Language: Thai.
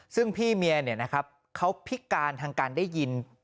ซึ่งพี่เมียเนี่ยนะครับเขาพิการทางการได้ยิน